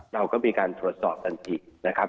เราก็มีการตรวจสอบกันอีกนะครับ